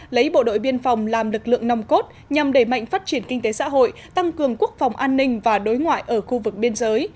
lấy bộ đội biên phòng làm lực lượng nòng cốt nhằm đẩy mạnh phát triển kinh tế xã hội tăng cường quốc phòng an ninh và đối ngoại ở khu vực biên giới